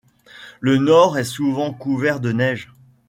Le nord est souvent couvert de neiges.